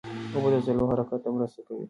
اوبه د عضلو حرکت ته مرسته کوي